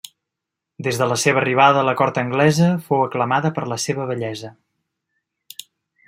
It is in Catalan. Des de la seva arribada a la cort anglesa fou aclamada per la seva bellesa.